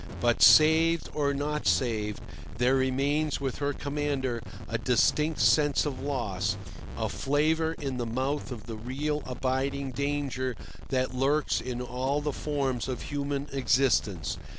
But, saved or not saved, there remains with her commander a distinct sense of loss, a flavour in the mouth of the real, abiding danger that lurks in all the forms of human existence.